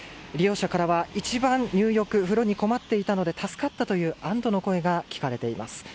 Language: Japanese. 利用者からは一番入浴・風呂に困っていたので助かったという安堵の声が聞かれています。